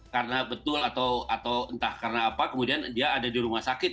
karena betul atau entah karena apa kemudian dia ada di rumah sakit